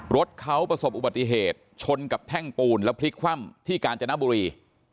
รถเขาประสบอุบัติเหตุชนกับแท่งปูนแล้วพลิกคว่ำที่กาญจนบุรี